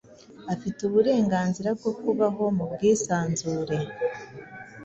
afite uburenganzira bwo kubaho mu bwisanzure